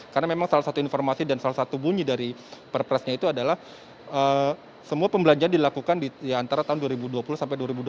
karena memang salah satu informasi dan salah satu bunyi dari perpresnya itu adalah semua pembelanjakan dilakukan di antara tahun dua ribu dua puluh sampai dua ribu dua puluh empat